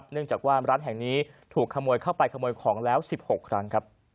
เนื่องจากว่าร้านแห่งนี้ถูกขโมยเข้าไปขโมยของแล้ว๑๖ครั้ง